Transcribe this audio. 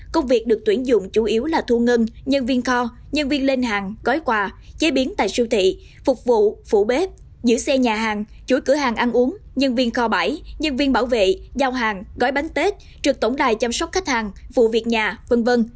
công việc được tuyển dụng chủ yếu là thu ngân nhân viên kho nhân viên lên hàng gói quà chế biến tại siêu thị phục vụ phủ bếp giữ xe nhà hàng chuỗi cửa hàng ăn uống nhân viên kho bãi nhân viên bảo vệ giao hàng gói bánh tết trực tổng đài chăm sóc khách hàng phụ việc nhà v v